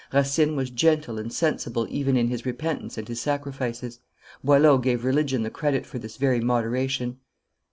Racine was gentle and sensible even in his repentance and his sacrifices. Boileau gave religion the credit for this very moderation.